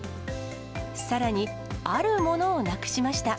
さらにあるものをなくしました。